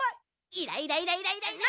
イライライライライライラ。